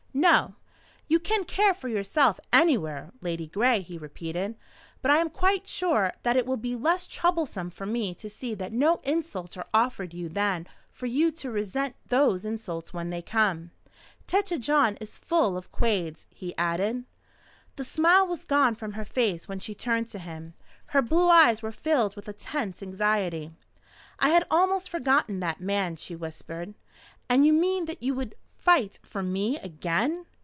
"No. You can care for yourself anywhere, Ladygray," he repeated. "But I am quite sure that it will be less troublesome for me to see that no insults are offered you than for you to resent those insults when they come. Tête Jaune is full of Quades," he added. The smile was gone from her face when she turned to him. Her blue eyes were filled with a tense anxiety. "I had almost forgotten that man," she whispered. "And you mean that you would fight for me again?"